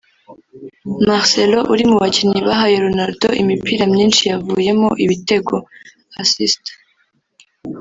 Marcelo uri mu bakinnyi bahaye Ronaldo imipira myinshi yavuyemo ibitego (assists)